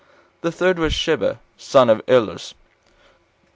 The third was Sheba, the son of Ilus.